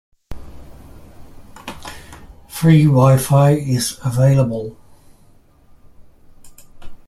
Free wi-fi is available.